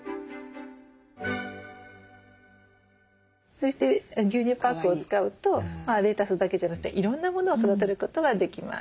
そして牛乳パックを使うとレタスだけじゃなくていろんなものを育てることができます。